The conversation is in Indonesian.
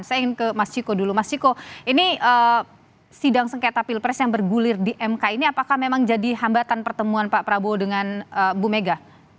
saya ingin ke mas ciko dulu mas ciko ini sidang sengketa pilpres yang bergulir di mk ini apakah memang jadi hambatan pertemuan pak prabowo dengan bu mega